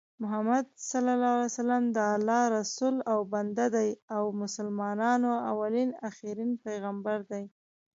محمد د الله رسول او بنده دي او مسلمانانو اولين اخرين پیغمبر دي